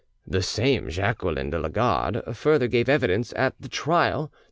The same Jacqueline de la Garde further gave evidence at the trial that M.